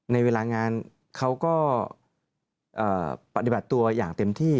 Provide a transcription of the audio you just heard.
ในเวลางานเขาก็ปฏิบัติตัวอย่างเต็มที่